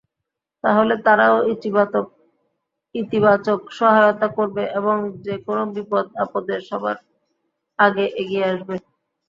তাহলে তারাও ইতিবাচক সহায়তা করবে এবং যেকোনো বিপদ-আপদে সবার আগে এগিয়ে আসবে।